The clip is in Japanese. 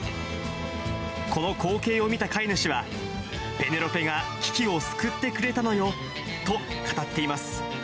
この光景を見た飼い主は、ペネロペが危機を救ってくれたのよと語っています。